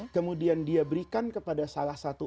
kemudian dia berikan kepada salah satu